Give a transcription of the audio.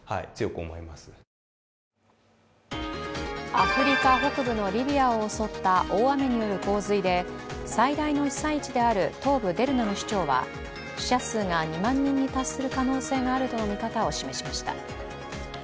アフリカ北部のリビアを襲った大雨による洪水で最大の被災地である東部デルナの市長は死者数が２万人に達する可能性があるとの見方を示しました。